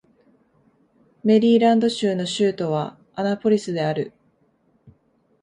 メリーランド州の州都はアナポリスである